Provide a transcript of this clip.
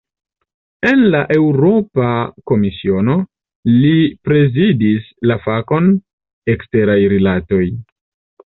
En la Eŭropa Komisiono, li prezidis la fakon "eksteraj rilatoj".